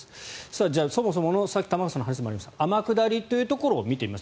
じゃあ、そもそものさっき玉川さんの話にもありました天下りというところを見ていきます。